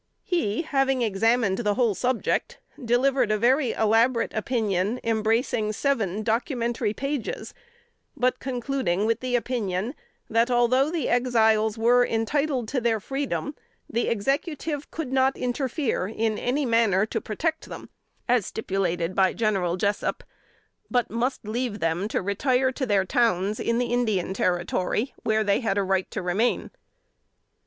He, having examined the whole subject, delivered a very elaborate opinion, embracing seven documentary pages; but concluding with the opinion, that although the Exiles were entitled to their freedom, the Executive could not interfere in any manner to protect them, as stipulated by General Jessup, but must leave them to retire to their Towns in the Indian Territory, where they had a right to remain. [Sidenote: 1848.